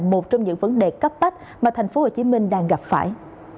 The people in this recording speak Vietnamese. một trong những vấn đề cấp bách mà thành phố hồ chí minh đang gặp phải